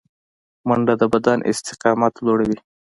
منډه د بدن استقامت لوړوي